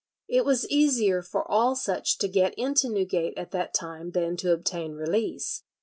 It was easier for all such to get into Newgate, at that time, than to obtain release.